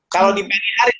kalau di pagi hari